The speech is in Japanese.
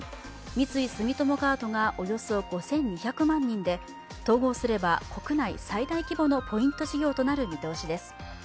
三井住友カードがおよそ５２００万人で統合すれば国内最大規模のポイント事業となる見通しです。